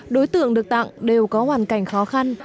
đối tượng được tặng đều có hoàn cảnh khó khăn